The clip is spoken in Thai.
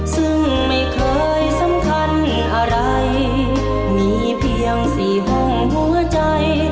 ซึ่งไม่เคยสำคัญอะไรมีเพียง๔ห้องหัวใจ